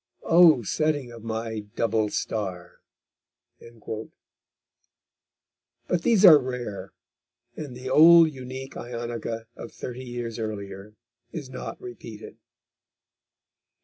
Oh! setting of my double star!_ But these are rare, and the old unique Ionica of thirty years earlier is not repeated.